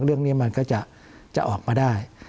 เรื่องนี้มันก็จะออกมาได้